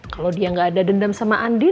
kalo dia ga ada dendam sama andi